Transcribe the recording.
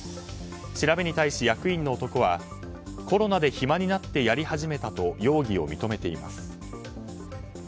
調べに対し役員の男はコロナで暇になってやり始めたと容疑を認めています。